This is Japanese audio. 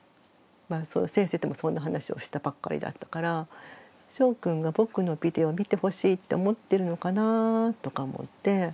先生ともそんな話をしたばっかりだったからしょうくんが僕のビデオ見てほしいって思ってるのかなとか思って。